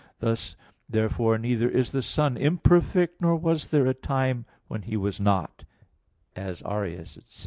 Thus, therefore, neither is the Son imperfect, nor "was there a time when He was not," as Arius said.